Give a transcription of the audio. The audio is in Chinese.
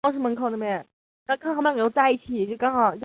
波尔托罗是位于斯洛维尼亚西南部的一座滨海城市。